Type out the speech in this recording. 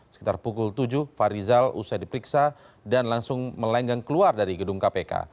sekitar pukul tujuh fahrizal usai diperiksa dan langsung melenggang keluar dari gedung kpk